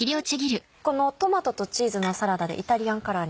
このトマトとチーズのサラダでイタリアンカラーに。